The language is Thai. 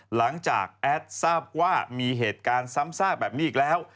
แอดทราบว่ามีเหตุการณ์ซ้ำซากแบบนี้อีกแล้ว